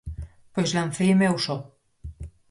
Pois lanceime eu só.